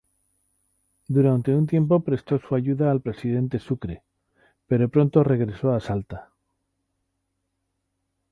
Durante un tiempo prestó su ayuda al presidente Sucre, pero pronto regresó a Salta.